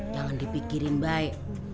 jangan dipikirin baik